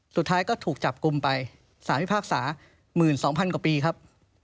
สุดท้ายก็ถูกจับกลุ่มไปสารพิพากษา๑๒๐๐๐กว่าปีครับ